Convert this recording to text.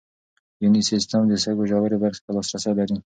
یوني سیسټم د سږو ژورې برخې ته لاسرسی لري.